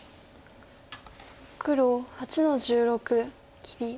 黒８の十六切り。